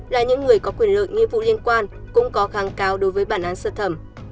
là những người có quyền lợi nghĩa vụ liên quan cũng có kháng cáo đối với bản án sơ thẩm